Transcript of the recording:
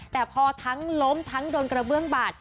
แต่พอทั้งล้มทั้งโดนกระเบื้องบาด